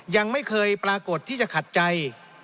ยังไม่เคยปรากฏที่จะขัดใจ